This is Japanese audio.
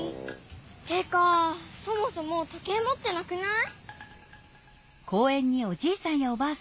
てかそもそも時計もってなくない？